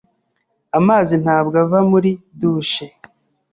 Amazi ntabwo ava muri douche.